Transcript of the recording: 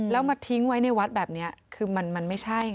แล้วมาทิ้งไว้ในวัดแบบนี้คือมันไม่ใช่ไง